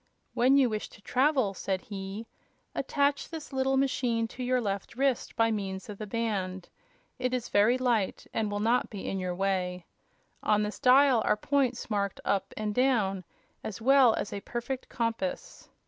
"When you wish to travel," said he, "attach this little machine to your left wrist by means of the band. It is very light and will not be in your way. On this dial are points marked 'up' and 'down' as well as a perfect compass.